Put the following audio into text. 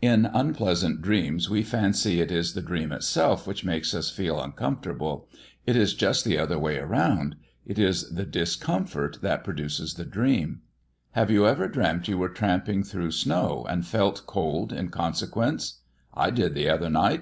In unpleasant dreams we fancy it is the dream itself which makes us feel uncomfortable. It is just the other way round. It is the discomfort that produces the dream. Have you ever dreamt you were tramping through snow, and felt cold in consequence? I did the other night.